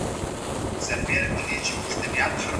دوی لومړی دوستي کوي او بیا واک اخلي.